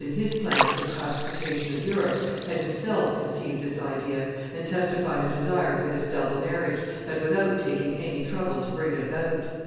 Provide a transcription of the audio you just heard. in his plan for the pacification of Europe, had himself conceived this idea, and testified a desire for this double marriage, but without taking any trouble to bring it about.